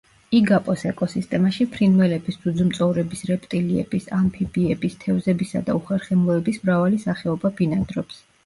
იგაპოს ეკოსისტემაში ფრინველების, ძუძუმწოვრების, რეპტილიების, ამფიბიების, თევზებისა და უხერხემლოების მრავალი სახეობა ბინადრობს.